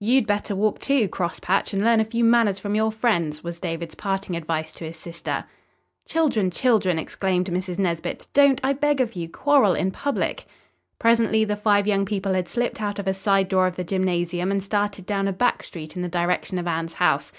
"You'd better walk, too, cross patch, and learn a few manners from your friends," was David's parting advice to his sister. "Children, children!" exclaimed Mrs. Nesbit, "don't, I beg of you, quarrel in public." Presently the five young people had slipped out of a side door of the gymnasium and started down a back street in the direction of Anne's house.